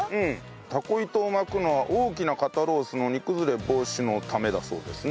たこ糸を巻くのは大きな肩ロースの煮崩れ防止のためだそうですね。